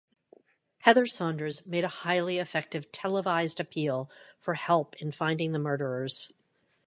Heather Saunders made a highly effective televised appeal for help in finding the murderers.